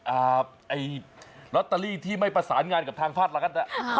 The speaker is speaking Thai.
ไอ้ลอตเตอรี่ที่ไม่ประสานงานกับทางภาครัฐ